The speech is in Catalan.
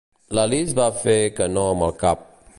L'Alice va fer que no amb el cap.